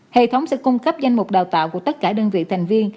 hệ thống sẽ cung cấp danh mục đào tạo của tất cả đơn vị thành viên